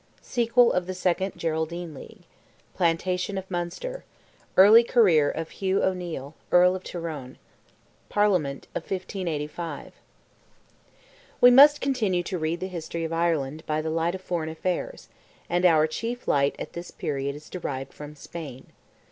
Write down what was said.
SEQUEL OF THE SECOND GERALDINE LEAGUE—PLANTATION OF MUNSTER—EARLY CAREER OF HUGH O'NEIL, EARL OF TYRONE—PARLIAMENT OF 1585. We must continue to read the history of Ireland by the light of foreign affairs, and our chief light at this period is derived from Spain.